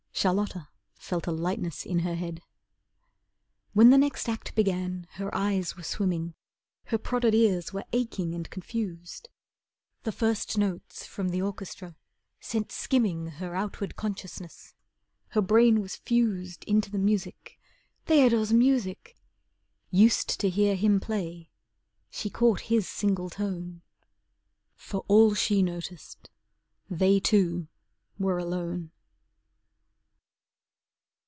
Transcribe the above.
Charlotta felt a lightness in her head. When the next act began, her eyes were swimming, Her prodded ears were aching and confused. The first notes from the orchestra sent skimming Her outward consciousness. Her brain was fused Into the music, Theodore's music! Used To hear him play, she caught his single tone. For all she noticed they two were alone.